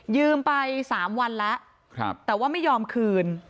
ไป๓วันแล้วแต่ว่าไม่ยอมคืน